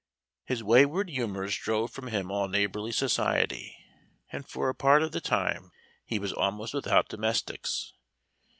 His wayward humors drove from him all neighborly society, and for a part of the time he was almost without domestics.